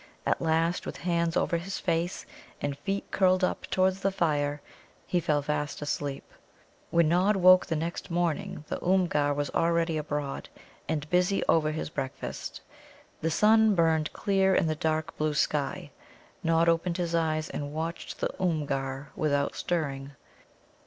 At last, with hands over his face and feet curled up towards the fire, he fell fast asleep. When Nod woke the next morning the Oomgar was already abroad, and busy over his breakfast. The sun burned clear in the dark blue sky. Nod opened his eyes and watched the Oomgar without stirring.